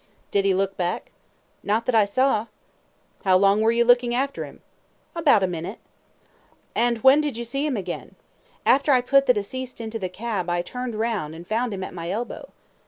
Q. Did he look back? A. Not that I saw. Q. How long were you looking after him? A. About a minute. Q. And when did you see him again? A. After I put deceased into the cab I turned round and found him at my elbow.